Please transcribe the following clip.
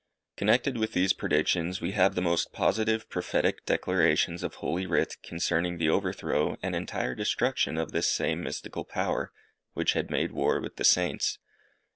Connected with these predictions, we have the most positive prophetic declarations of Holy Writ concerning the overthrow and entire destruction of this same mystical power, which had made war with the Saints.